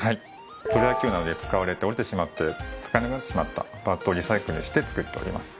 プロ野球などで使われて折れてしまって使えなくなってしまったバットをリサイクルして作っております。